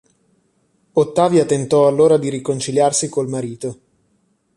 Ottavia tentò allora di riconciliarsi col marito.